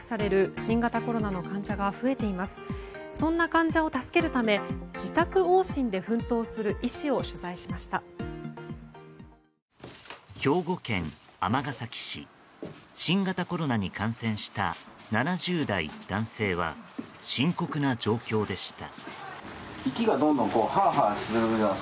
新型コロナに感染した７０代男性は深刻な状況でした。